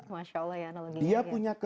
masya allah ya analoginya